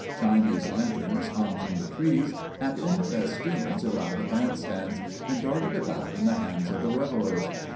Chinese lanterns hung from the trees and in festoons around the bandstands and darted about in the hands of the revellers.